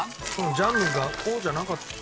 ジャムがこうじゃなかった。